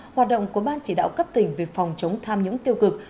hoạt động của ban chỉ đạo cấp tỉnh về phòng chống tham nhũng tiêu cực